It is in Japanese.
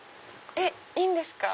えっいいんですか？